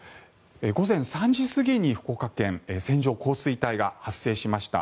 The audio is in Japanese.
午前３時過ぎに福岡県線状降水帯が発生しました。